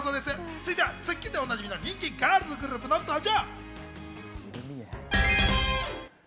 続いては『スッキリ』でおなじみ、人気ガールズグループの登場。